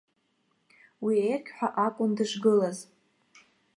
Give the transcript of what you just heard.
Уи еергьҳәа акәын дышгылаз.